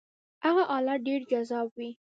هغه حالت ډېر جذاب وي.